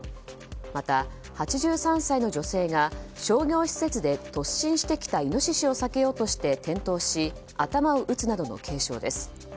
また、８３歳の女性が商業施設で突進してきたイノシシを避けようとして転倒し頭を打つなどの軽傷です。